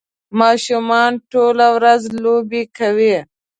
ماشومان ټوله ورځ لوبې کوي